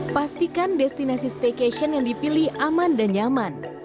pastikan destinasi staycation yang dipilih aman dan nyaman